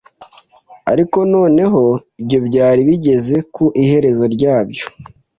Ariko noneho ibyo byari bigeze ku iherezo ryabyo.